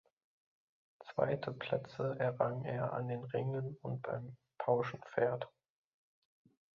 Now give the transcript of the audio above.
Zweite Plätze errang er an den Ringen und beim Pauschenpferd.